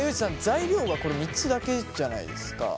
材料は３つだけじゃないですか。